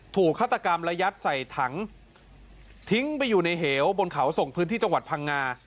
ฆาตกรรมและยัดใส่ถังทิ้งไปอยู่ในเหวบนเขาส่งพื้นที่จังหวัดพังงา